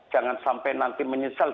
jangan sampai nanti menyesal